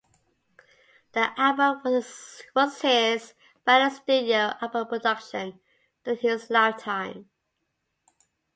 The album was his final studio album production during his lifetime.